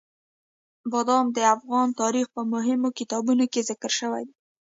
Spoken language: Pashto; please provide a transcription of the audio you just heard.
بادام د افغان تاریخ په مهمو کتابونو کې ذکر شوي دي.